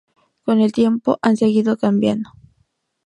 Con el tiempo han seguido cambiando.